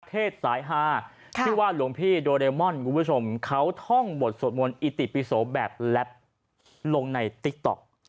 เทศสายฮาที่ว่าหลวงพี่โดเรมอนคุณผู้ชมเขาท่องบทสวดมนต์อิติปิโสแบบแล็บลงในติ๊กต๊อก